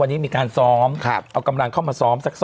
วันนี้มีการซอ้อมครับเอากำลังเข้ามาซอ้อมซักซอ้อ